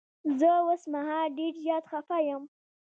زه اوس مهال ډير زيات خفه یم.